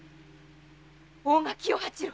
大垣与八郎！